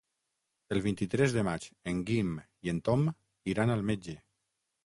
El vint-i-tres de maig en Guim i en Tom iran al metge.